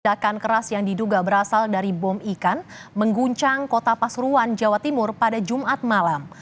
ledakan keras yang diduga berasal dari bom ikan mengguncang kota pasuruan jawa timur pada jumat malam